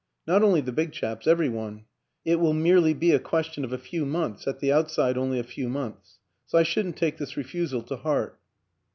Not only the big chaps every one. It will merely be a question of a few months at the outside only a few months. So I shouldn't take this refusal to heart."